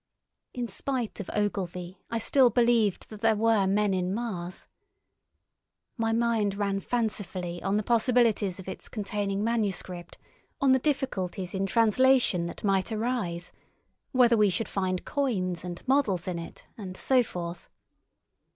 In spite of Ogilvy, I still believed that there were men in Mars. My mind ran fancifully on the possibilities of its containing manuscript, on the difficulties in translation that might arise, whether we should find coins and models in it, and so forth.